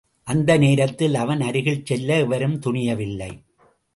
அந்த நேரத்தில் அவன் அருகில் செல்ல எவரும் துணியவில்லை.